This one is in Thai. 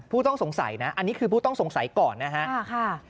ผู้ต้องสงสัยนะอันนี้คือผู้ต้องสงสัยก่อนนะฮะ